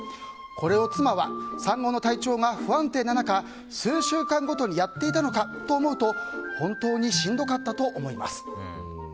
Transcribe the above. これを妻は産後の体調が不安定な中数週間ごとにやっていたのかと思うと本当にしんどかったと思います。